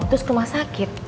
terus ke rumah sakit